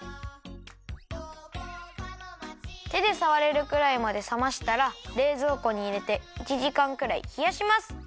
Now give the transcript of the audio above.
てでさわれるくらいまでさましたられいぞうこにいれて１じかんくらいひやします！